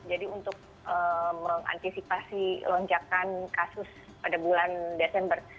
jadi untuk mengantisipasi lonjakan kasus pada bulan desember